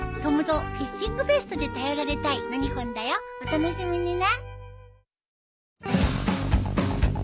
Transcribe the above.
お楽しみにね。